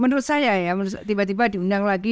menurut saya ya tiba tiba diundang lagi